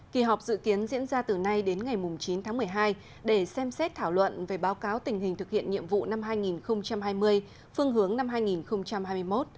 kỳ họp dự kiến diễn ra từ nay đến ngày chín tháng một mươi hai để xem xét thảo luận về báo cáo tình hình thực hiện nhiệm vụ năm hai nghìn hai mươi phương hướng năm hai nghìn hai mươi một